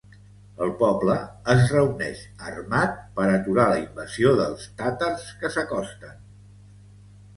El poble es reuneix armat, per aturar la invasió dels tàtars que s'acosten.